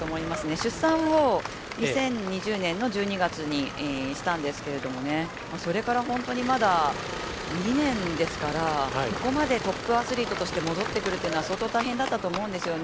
出産を２０２０年の１２月にしたんですけれどもねそれから本当にまだ２年ですからここまでトップアスリートとして戻ってくるというのは相当大変だったと思うんですよね。